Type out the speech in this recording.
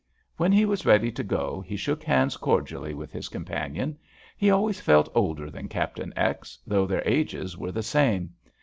When he was ready to go he shook hands cordially with his companion. He always felt older than Captain X., though their ages were the same.